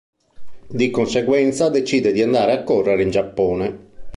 Di conseguenza, decide di andare a correre in Giappone.